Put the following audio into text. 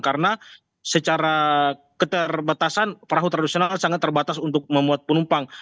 karena secara keterbatasan perahu tradisional sangat terbatas untuk membuat penumpang